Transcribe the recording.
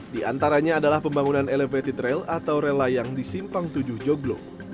di antaranya adalah pembangunan elevated rail atau rela yang disimpang tujuh joglo